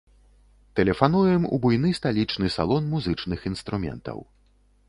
Тэлефануем у буйны сталічны салон музычных інструментаў.